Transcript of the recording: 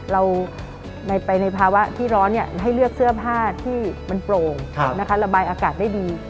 เราไปในภาวะที่ร้อนให้เลือกเสื้อผ้าที่มันโปร่งระบายอากาศได้ดี